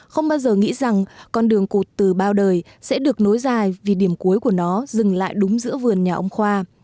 không bao giờ nghĩ rằng con đường cụt từ bao đời sẽ được nối dài vì điểm cuối của nó dừng lại đúng giữa vườn nhà ông khoa